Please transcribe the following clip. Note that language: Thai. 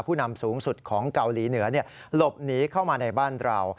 ผู้นำสูงสุดของเกาหลีเหนือหลบหนีเข้ามาในบ้านเรา